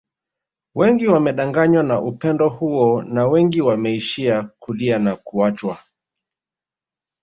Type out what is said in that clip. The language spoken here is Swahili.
Wengi wamedanganywa na upendo huo na wengi wameishia kulia na kuachwa